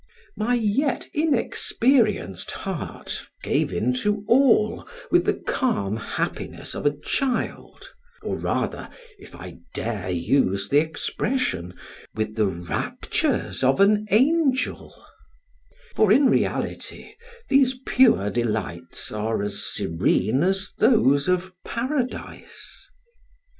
My yet inexperienced heart gave in to all with the calm happiness of a child, or rather (if I dare use the expression) with the raptures of an angel; for in reality these pure delights are as serene as those of paradise.